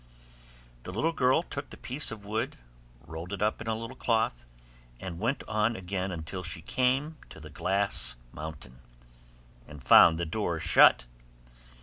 The little girl took the piece of wood, rolled it up in a little cloth, and went on again until she came to the glass mountain, and found the door shut.